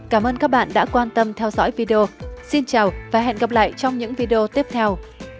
cảm ơn các bạn đã quan tâm theo dõi video xin chào và hẹn gặp lại trong những video tiếp theo